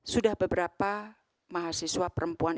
sudah beberapa mahasiswa perempuan